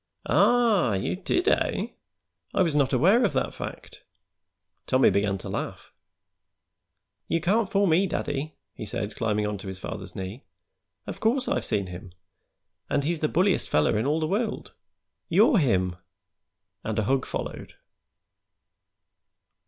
"Ah! You did, eh? I was not aware of that fact." Tommy began to laugh. "You can't fool me, daddy," he said, climbing onto his father's knee. "Of course I've seen him, and he's the bulliest feller in all the world. You're him!" And a hug followed.